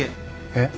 えっ？